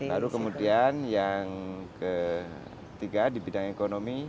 lalu kemudian yang ketiga di bidang ekonomi